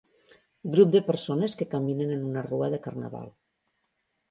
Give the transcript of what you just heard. Grup de persones que caminen en una rua de carnaval.